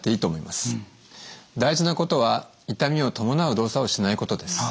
大事なことは痛みを伴う動作をしないことです。